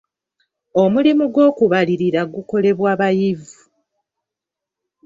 Omulimu gw'okubalirira gukolebwa bayivu.